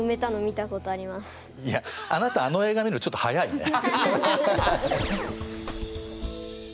いやあなたあの映画見るのちょっと早いね。